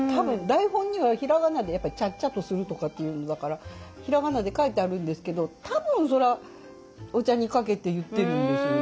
台本には平仮名でやっぱり「ちゃっちゃっ」とするとかっていうのだから平仮名で書いてあるんですけど多分それはお茶に掛けて言ってるんでしょうね。